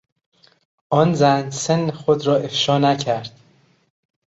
آن زن سن خود را افشا نکرد.